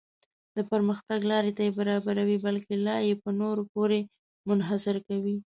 د پرمختګ لارې ته یې برابروي بلکې لا یې په نورو پورې منحصر کوي.